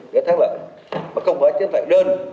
cái tháng lợi mà không phải tháng lợi đơn